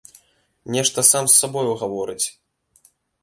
Нешта сам з сабою гаворыць.